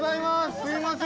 すいません！